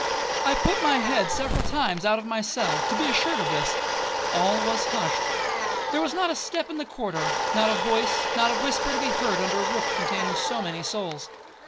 I put my head several times out of my cell, to be assured of this,—all was hushed. There was not a step in the corridor,—not a voice, not a whisper to be heard under a roof containing so many souls.